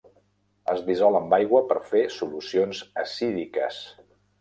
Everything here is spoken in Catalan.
Es dissol amb aigua per fer solucions acídiques.